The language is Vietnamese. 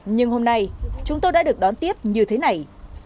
nhưng hôm nay chúng tôi đã được đón tiếp như thế này